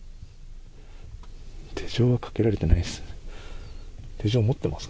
手錠はかけられていないです。